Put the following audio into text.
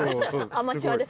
アマチュアです。